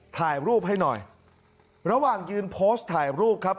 ถ่ายรูปให้หน่อยระหว่างยืนโพสต์ถ่ายรูปครับ